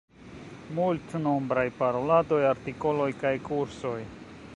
Multnombraj paroladoj, artikoloj kaj kursoj.